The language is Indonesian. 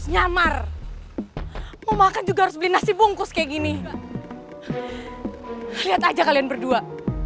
papa pokoknya bangga sama kalian berdua